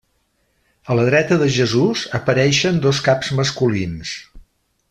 A la dreta de Jesús apareixen dos caps masculins.